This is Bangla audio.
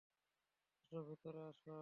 আসো, ভেতরে চলো।